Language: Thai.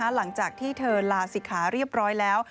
หลังจากที่เธอลาศิกขาเรียบร้อยแล้ว